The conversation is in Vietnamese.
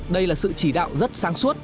đây là sự chỉ đạo rất sáng suốt